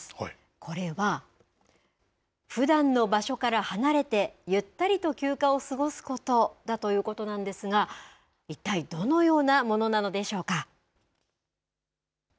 これは、ふだんの場所から離れてゆったりと休暇を過ごすことだということなんですが一体どのようなものなのでしょうか。